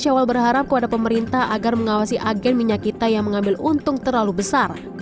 syawal berharap kepada pemerintah agar mengawasi agen minyak kita yang mengambil untung terlalu besar